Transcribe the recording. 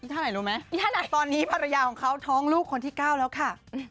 เท่าไหร่รู้ไหมตอนนี้ภรรยาของเขาท้องลูกคนที่๙แล้วค่ะ